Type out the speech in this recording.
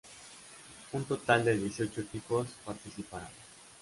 Un total de dieciocho equipos participará.